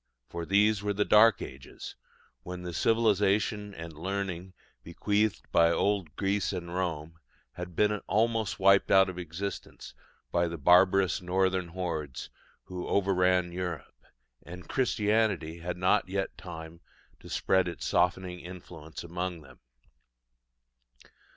For these were the Dark Ages, when the civilisation and learning bequeathed by old Greece and Rome had been almost wiped out of existence by the barbarous northern hordes who overran Europe; and Christianity had not yet time to spread its softening influence among them.